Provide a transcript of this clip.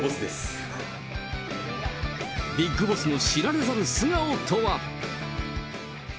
ビッグボスの知られざる素顔とは。